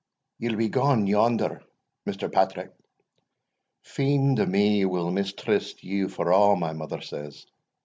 "Ye'll be gaun yonder, Mr. Patrick; feind o' me will mistryst you for a' my mother says.